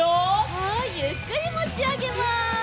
はいゆっくりもちあげます。